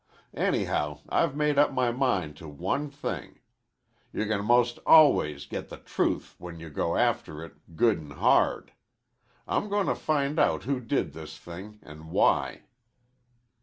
"Anyhow, I've made up my mind to one thing. You can 'most always get the truth when you go after it good an' hard. I'm goin' to find out who did this thing an' why."